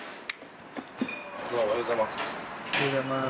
おはようございます。